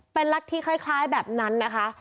เป็นลัดที่คล้ายแบบนั้นนะคะ